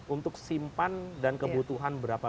untuk simpan dan kebutuhan berapa